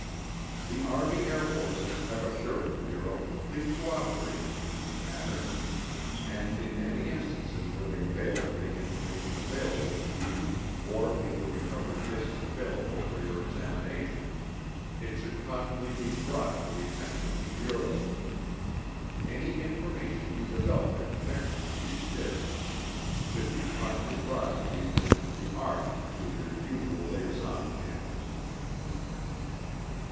The Army Air Forces have assured the Bureau complete cooperating in these matters and in any instances where they fail to make information available to you or make the recovered discs available for your examination, it should promptly be brought to the attention of the Bureau. Any information you develop in connection with these discs should be promptly brought to the attention of the Army through your usual liaison channels.